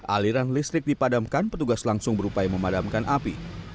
aliran listrik dipadamkan petugas langsung berupaya memadamkan api